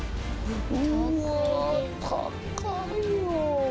うわー、高いよ。